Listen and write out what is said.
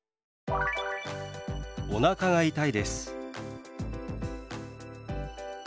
「おなかが痛いです」。